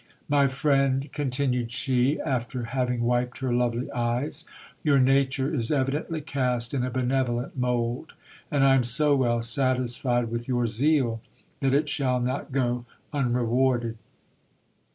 My friend, continued she, after having wiped her lovely eyes, your nature is evidently cast in a benevolent mould ; and I am so well satisfied with your zeal that it shall not go unre rded.